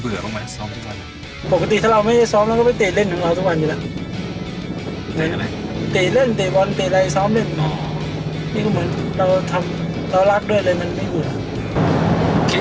เผื่อไหมผมเหมือนว่าทีนี้